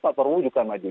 pak perwo juga maju